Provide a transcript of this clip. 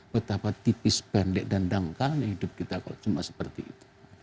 betapa tipis pendek dan dangkalnya hidup kita kalau cuma seperti itu